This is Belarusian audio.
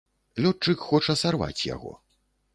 Лётчык хоча сарваць яго.